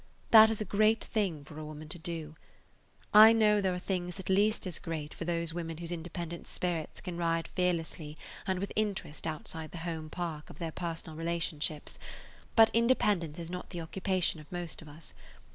That is a great thing for a woman to do. I know there are things at least as great for those women whose independent spirits can ride fearlessly and with interest outside the home park of their personal relationships, but independence is not the occupation of most of us.